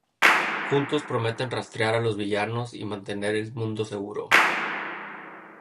Juntos, prometen rastrear a los villanos y mantener el mundo seguro.